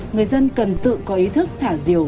người dân cần tự có ý thức thả diều